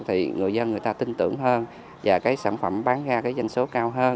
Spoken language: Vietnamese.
thì người dân người ta tin tưởng hơn và cái sản phẩm bán ra cái danh số cao hơn